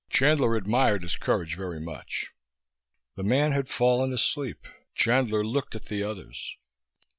Chandler admired his courage very much. The man had fallen asleep. Chandler looked at the others.